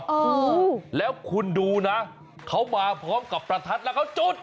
โอ้โหแล้วคุณดูนะเขามาพร้อมกับประทัดแล้วเขาจุด